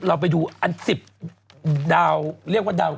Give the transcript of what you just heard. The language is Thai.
เราไปดูอันปหัว๑๐ดาว